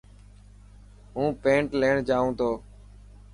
هون پينٽ ليڻ جائو تو.